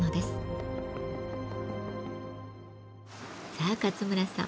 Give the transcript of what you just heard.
さあ勝村さん